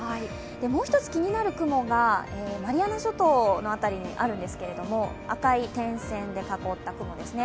もう一つ気になる雲がマリアナ諸島の辺りにあるんですけれども、赤い点線で囲った雲ですね。